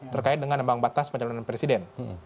terkait dengan ambang batas pencalonan presiden